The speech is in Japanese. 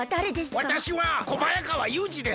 わたしは小早川裕二です。